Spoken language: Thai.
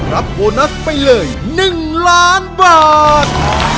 รับโบนัสไปเลย๑๐๐๐๐๐๐บาท